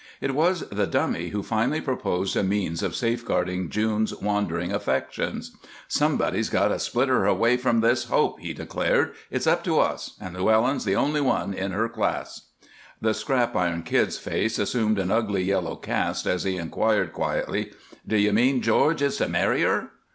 It was the Dummy who finally proposed a means of safeguarding June's wandering affections. "Somebody's got to split her away from this Hope," he declared. "It's up to us, and Llewellyn's the only one in her class." The Scrap Iron Kid's face assumed an ugly yellow cast as he inquired, quietly, "D'you mean George is to marry her?"